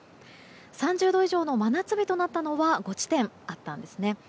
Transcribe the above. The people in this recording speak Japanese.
３０度以上の真夏日となったのは５地点あったんですね。